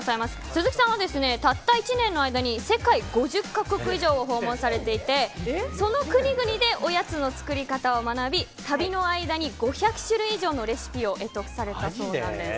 鈴木さんはたった１年の間に世界５０か国以上を訪問されていてその国々でおやつの作り方を学び旅の間に５００種類以上のレシピを会得されたそうなんです。